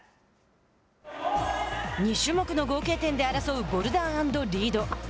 ２種目の合計点で争うボルダー＆リード。